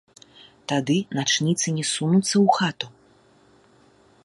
Тады начніцы не сунуцца ў хату.